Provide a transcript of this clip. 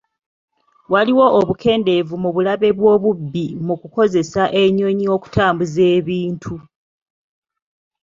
Waliwo obukendeevu mu bulabe bw'obubbi mu kukozesa ennyonyi okutambuza ebintu,